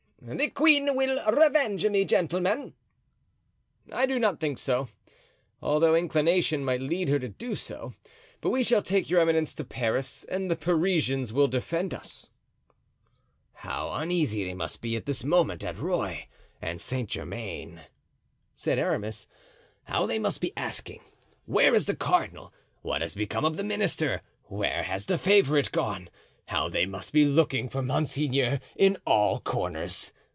"The queen will revenge me, gentlemen." "I do not think so, although inclination might lead her to do so, but we shall take your eminence to Paris, and the Parisians will defend us." "How uneasy they must be at this moment at Rueil and Saint Germain," said Aramis. "How they must be asking, 'Where is the cardinal?' 'What has become of the minister?' 'Where has the favorite gone?' How they must be looking for monseigneur in all corners!